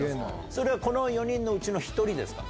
それはこの４人のうちの１人ですか？